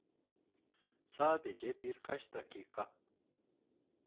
Sadece birkaç dakika.